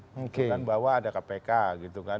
bukan bahwa ada kpk gitu kan